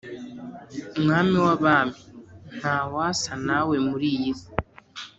Mwami w’abami ntawasa nawe muri iy’isi